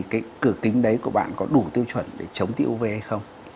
cái cửa kính đấy của bạn có đủ tiêu chuẩn để chống tiêu uv hay không